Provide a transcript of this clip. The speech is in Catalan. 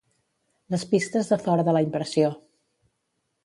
Les pistes de fora de la impressió.